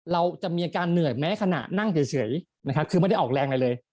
เราจะมีอาการเหนื่อยแม้ขณะนั่งเฉยนะครับคือไม่ได้ออกแรงอะไรเลย